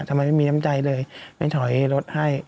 ทำไมไม่มีน้ำใจเลยไม่ถอยรถให้